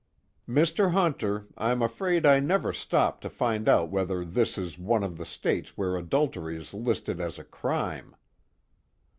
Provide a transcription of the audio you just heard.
"Mr. Hunter, I'm afraid I never stopped to find out whether this is one of the states where adultery is listed as a crime."